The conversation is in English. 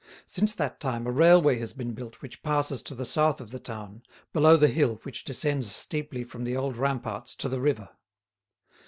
Since that time a railway has been built which passes to the south of the town, below the hill which descends steeply from the old ramparts to the river.